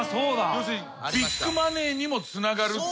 要するにビッグマネーにもつながるっていう。